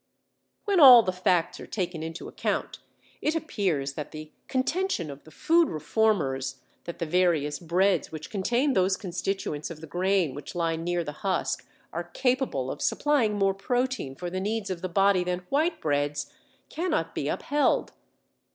When all the facts are taken into account it appears that the contention of the food reformers, that the various breads which contain those constituents of the grain which lie near the husk are capable of supplying more protein for the needs of the body than white breads, cannot be upheld.